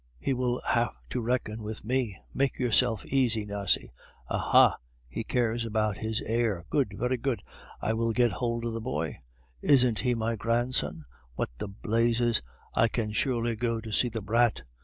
He will have to reckon with me. Make yourself easy, Nasie. Aha! he cares about his heir! Good, very good. I will get hold of the boy; isn't he my grandson? What the blazes! I can surely go to see the brat!